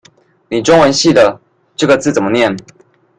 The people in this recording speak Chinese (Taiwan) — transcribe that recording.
你中文系的，這個字怎麼念？